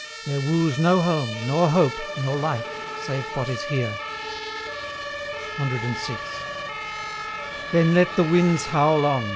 There woos no home, nor hope, nor life, save what is here. CVI. Then let the winds howl on!